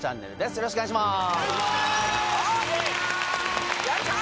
よろしくお願いします。